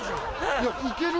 いやいけるよ。